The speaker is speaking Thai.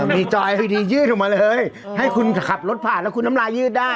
มีจอยพอดียืดออกมาเลยให้คุณขับรถผ่านแล้วคุณน้ำลายยืดได้